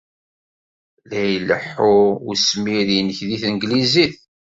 La ilehhu weswir-nnek deg tanglizit.